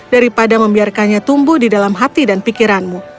daripada membiarkannya tumbuh di dalam hati dan pikiranmu